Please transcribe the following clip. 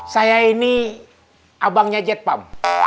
saya ini abangnya jetpam